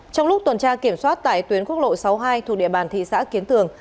trong lúc tuần tra kiểm soát tại tuyến quốc lộ sáu mươi hai thuộc địa bàn thị xã kiến tường